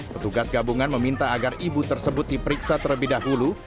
petugas gabungan meminta agar ibu tersebut diperiksa terlebih dahulu